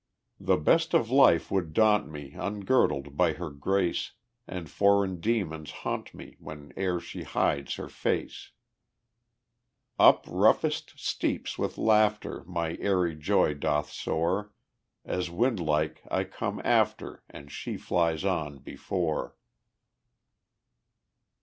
The best of life would daunt me Ungirdled by her grace, And foreign demons haunt me Whene'er she hides her face. Up roughest steeps with laughter My airy joy doth soar, As wind like I come after, And she flies on before.